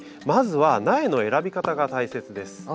まずは苗の選び方が大切です。